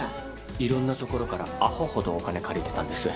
いろんなところからあほほどお金借りてたんです。